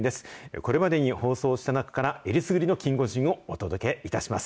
これまでに放送した中から、えりすぐりのキンゴジンをお届けします。